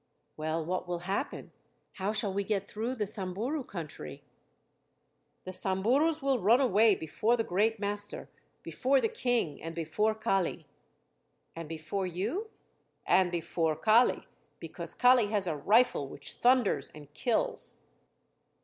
"Well, what will happen? How shall we get through the Samburu country?" "The Samburus will run away before the great master, before the King and before Kali." "And before you?" "And before Kali, because Kali has a rifle which thunders and kills."